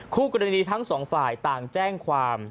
คู่กรณีทั้งสองฝ่ายต่างแจ้งความ